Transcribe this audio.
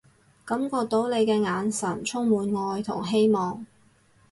感覺到你嘅眼神充滿愛同希望